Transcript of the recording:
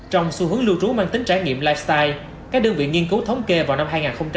trong xu hướng lưu trú mang tính trải nghiệm lifestile các đơn vị nghiên cứu thống kê vào năm hai nghìn hai mươi